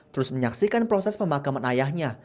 terus menyaksikan proses pemakaman ayahnya